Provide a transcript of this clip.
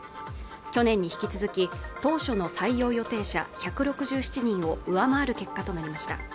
去年に引き続き当初の採用予定者１６７人を上回る結果となりました